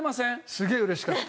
すげえ嬉しかった。